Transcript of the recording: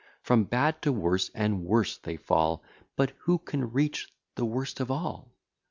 From bad to worse, and worse they fall; But who can reach the worst of all?